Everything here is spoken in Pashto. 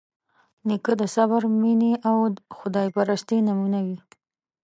نیکه د صبر، مینې او خدایپرستۍ نمونه وي.